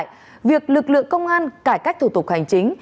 vì vậy việc lực lượng công an cải cách thủ tục hành chính